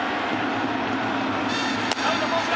アウトコース